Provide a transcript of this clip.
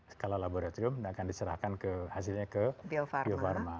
skala laboratorium akan diserahkan hasilnya ke bio farma